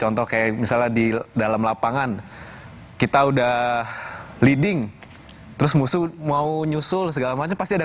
contoh kayak misalnya di dalam lapangan kita udah leading terus musuh mau nyusul segala macam pasti ada